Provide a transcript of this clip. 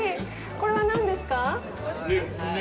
これは何ですか？